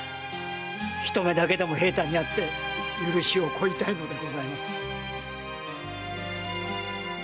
一目だけでも平太に会って許しを乞いたいのでございます。